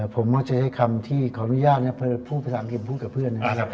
ผมมักจะใช้คำที่ขออนุญาตพูดภาษาอังกฤษพูดกับเพื่อนนะครับ